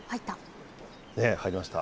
入りました。